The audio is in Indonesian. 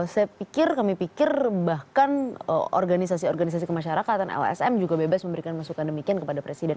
saya pikir kami pikir bahkan organisasi organisasi kemasyarakatan lsm juga bebas memberikan masukan demikian kepada presiden